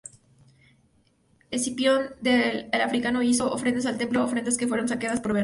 Escipión el Africano hizo ofrendas al templo, ofrendas que fueron saqueadas por Verres.